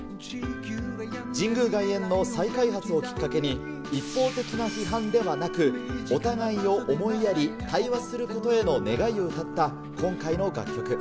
神宮外苑の再開発をきっかけに、一方的な批判ではなく、お互いを思いやり、対話することへの願いを歌った今回の楽曲。